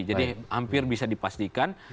jadi hampir bisa dipastikan